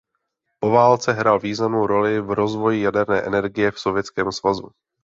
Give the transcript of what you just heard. Po válce hrál významnou roli v rozvoji jaderné energie v Sovětském Svazu.